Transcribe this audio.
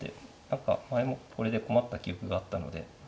何か前もこれで困った記憶があったので。